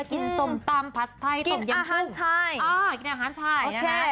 กินสมตำผัดไทยกินอาหารชายอ่ากินอาหารชายโอเค